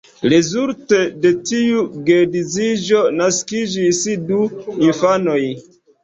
Rezulte de tiu geedziĝo naskiĝis du infanoj.